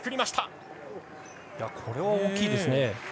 これは大きいですね。